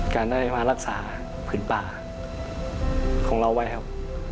การได้มารักษาผืนป่าของเราไว้ครับ